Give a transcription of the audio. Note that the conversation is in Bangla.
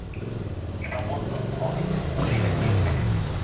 সমস্ত ভয় যেন তখন মরিয়া গিয়াছে।